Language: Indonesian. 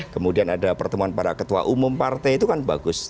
kemudian ada pertemuan para ketua umum partai itu kan bagus